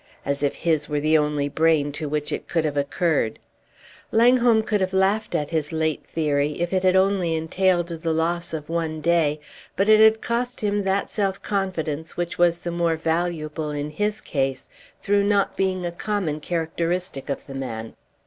As if his were the only brain to which it could have occurred! Langholm could have laughed at his late theory if it had only entailed the loss of one day, but it had also cost him that self confidence which was the more valuable in his case through not being a common characteristic of the man.